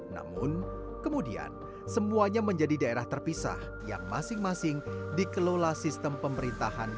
namun kemudian semuanya menjadi daerah terpisah yang masing masing dikelola sistem pemerintahan